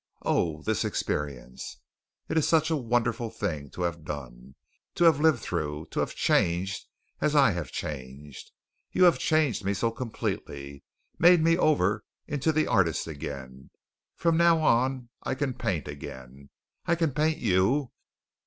Oh, this experience! It is such a wonderful thing to have done to have lived through, to have changed as I have changed. You have changed me so completely, made me over into the artist again. From now on I can paint again. I can paint you."